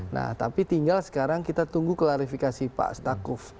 nah tapi tinggal sekarang kita tunggu klarifikasi pak stakuf